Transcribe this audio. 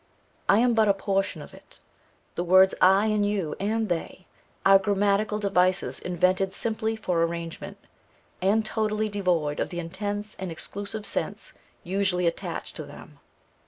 I am but a portion of it. The words I, and YOU, and THEY, are grammatical devices invented simply for arrangement, and totally devoid of the intense and exclusive sense usually attached to them.